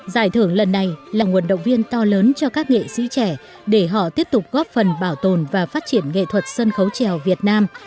giải thưởng lần này là nguồn động viên to lớn cho các nghệ sĩ trẻ để họ tiếp tục góp phần bảo tồn và phát triển nghệ thuật sân khấu trèo việt nam